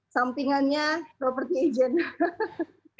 sampingannya property agent